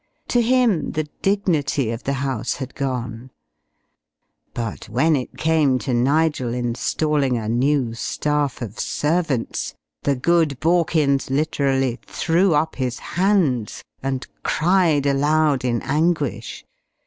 To him the dignity of the house had gone. But when it came to Nigel installing a new staff of servants, the good Borkins literally threw up his hands and cried aloud in anguish.